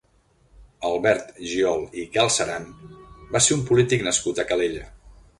Albert Giol i Galceran va ser un polític nascut a Calella.